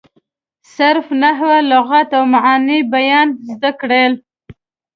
صرف، نحو، لغت او معاني بیان یې زده کړل.